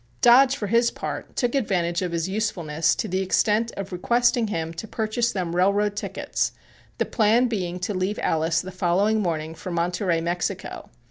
Dodge, for his part, took advantage of his usefulness to the extent of requesting him to purchase them railroad tickets, the plan being to leave Alice the following morning for Monterey, Mexico.